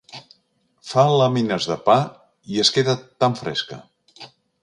Fa làmines de pa, i es queda tan fresca.